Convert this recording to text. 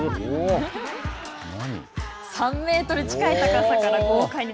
３メートル近い高さから豪快に。